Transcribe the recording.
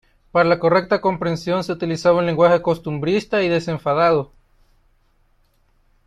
Para la correcta comprensión se utilizaba un lenguaje costumbrista y desenfadado.